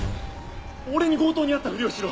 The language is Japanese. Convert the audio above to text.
俺に強盗に遭ったふりをしろ！